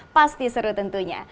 pasti seru tentunya